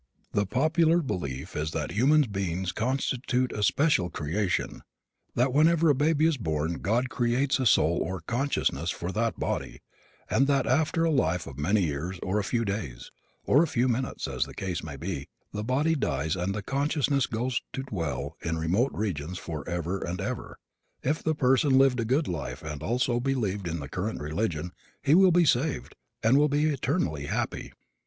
The popular belief is that human beings constitute a special creation; that whenever a baby is born God creates a soul or consciousness for that body and that after a life of many years, or a few days, or a few minutes, as the case may be, the body dies and the consciousness goes to dwell in remote regions for ever and ever. If the person lived a good life and also believed in the current religion he will be "saved" and will be eternally happy.